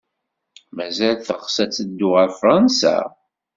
Mazal teɣs ad teddu ɣer Fṛansa?